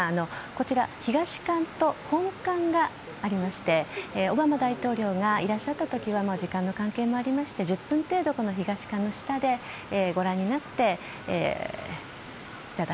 こちら東館と本館がありましてオバマ大統領がいらっしゃった時は時間の関係もありまして１０分程度、東館の下でご覧になっていたと。